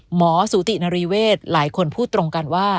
สูตินรีเวศหลายคนพูดตรงกันว่า